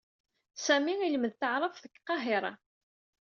Sami ilmed taɛrabt deg Qahiṛa.